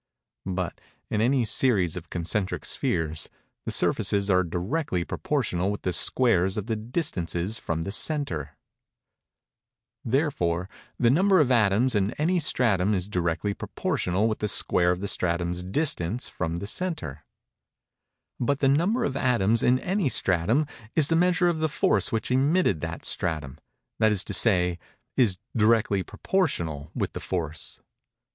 _But, in any series of concentric spheres, the surfaces are directly proportional with the squares of the distances from the centre._ Succinctly—The surfaces of spheres are as the squares of their radii. Therefore the number of atoms in any stratum is directly proportional with the square of that stratum's distance from the centre. But the number of atoms in any stratum is the measure of the force which emitted that stratum—that is to say, is directly proportional with the force.